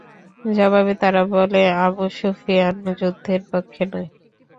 জবাবে তারা বলে, আবু সুফিয়ান যুদ্ধের পক্ষে নয়।